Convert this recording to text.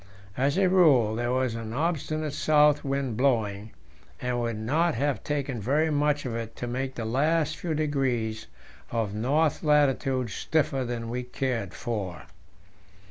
As a rule, there was an obstinate south wind blowing, and it would not have taken very much of it to make the last few degrees of north latitude stiffer than we cared for.